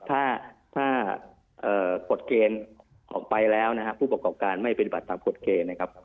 ถ้ากฎเกณฑ์ออกไปแล้วนะครับผู้ประกอบการไม่ปฏิบัติตามกฎเกณฑ์นะครับ